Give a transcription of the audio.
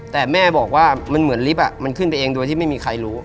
แต่แม่บอกว่ามันเหมือนลิฟต์มันขึ้นไปเองโดยที่ไม่มีใครรู้